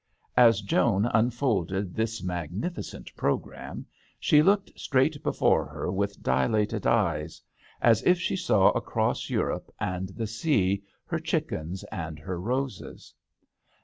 As Joan unfolded this mag nificent programme, she looked straight before her with dilated iyes, as if she saw across Europe THE HdTEL D'aNGLETERRE. 35 and the sea her chickens and her roses.